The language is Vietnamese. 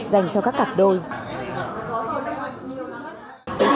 dành cho các cặp đôi